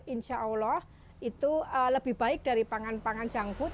insya allah itu lebih baik dari pangan pangan janggut